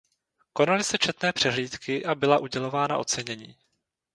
Konaly se četné přehlídky a byla udělována ocenění.